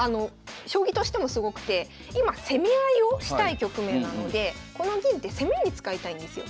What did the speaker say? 将棋としてもすごくて今攻め合いをしたい局面なのでこの銀って攻めに使いたいんですよ。